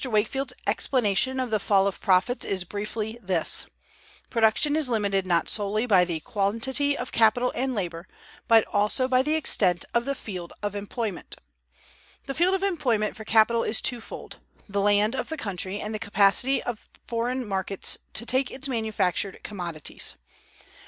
Wakefield's explanation of the fall of profits is briefly this: Production is limited not solely by the quantity of capital and of labor, but also by the extent of the "field of employment." The field of employment for capital is twofold: the land of the country, and the capacity of foreign markets to take its manufactured commodities.